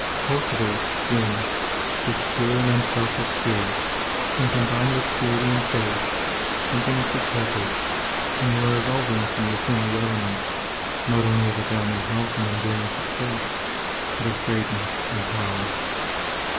Cultivate, then, this pure and unselfish spirit, and combine with purity and faith, singleness of purpose, and you are evolving from within the elements, not only of abounding health and enduring success, but of greatness and power.